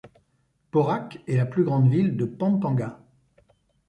Porac est la plus grande ville de Pampanga.